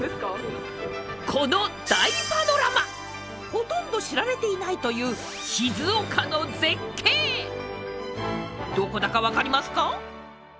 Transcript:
ほとんど知られていないというどこだか分かりますか？